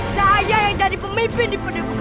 saya yang jadi pemimpin di pendepokan guru